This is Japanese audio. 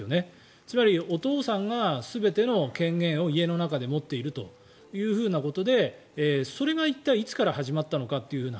つまり、お父さんが全ての権限を家の中で持っているということでそれが一体いつから始まったのかという話。